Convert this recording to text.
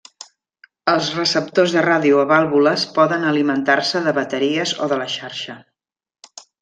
Els receptors de ràdio a vàlvules poden alimentar-se de bateries o de la xarxa.